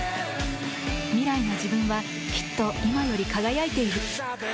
未来の自分はきっと今より輝いている。